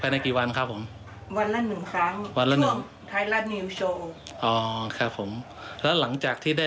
ดีใจไม่คิดว่าจะได้